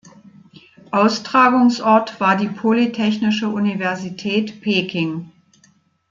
Austragungsort war die Polytechnische Universität Peking.